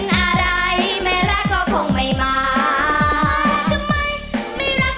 ช่วยด้วยหน่อยค่ะ